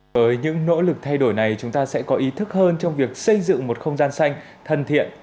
với những nỗ lực thay đổi này chúng ta sẽ có ý thức hơn trong việc xây dựng một không gian xanh thân thiện